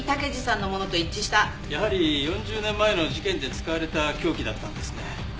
やはり４０年前の事件で使われた凶器だったんですね。